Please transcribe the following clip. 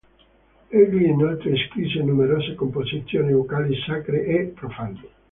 Egli inoltre scrisse numerose composizioni vocali sacre e profane.